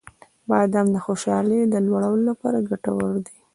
• بادام د خوشحالۍ د لوړولو لپاره ګټور دی.